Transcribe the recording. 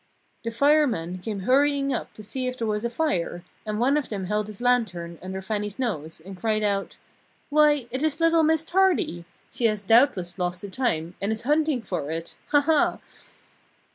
The firemen came hurrying up to see if there was a fire, and one of them held his lantern under Fannie's nose, and cried out: "Why, it is little Miss Tardy! She has doubtless lost the time, and is hunting for it! Ha! Ha!"